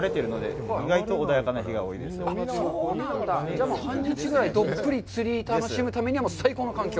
じゃあもう半日ぐらいどっぷり釣りを楽しむためには最高の環境？